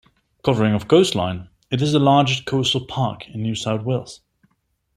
Covering of coastline, it is the largest coastal park in New South Wales.